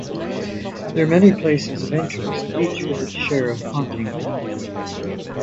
There are many places of interest, each with its share of haunting anecdotes.